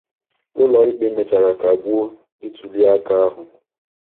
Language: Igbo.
Ụlọ ikpe mechara kagbuo ntuli aka ahụ.